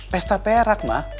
pesta perak ma